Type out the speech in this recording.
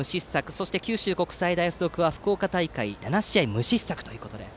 そして九州国際大付属は福岡大会７試合無失策ということです。